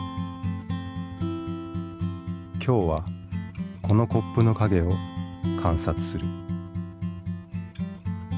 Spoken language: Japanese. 今日はこのコップの影を観察する。